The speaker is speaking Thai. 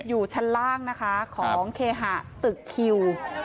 อยู่ชั้นล่างนะคะของเคหะตึกคิว